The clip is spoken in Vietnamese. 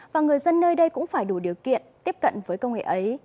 và người dân nơi đây cũng phải đủ điều kiện tiếp cận với công nghệ ấy